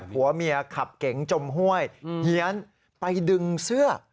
ผัวเมียขับเก๋งจมห้วยเฮียนไปดึงเสื้อ